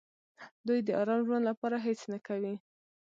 دوی د ارام ژوند لپاره هېڅ نه کوي.